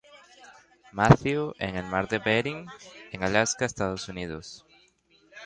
Matthew, en el Mar de Bering en Alaska, Estados Unidos.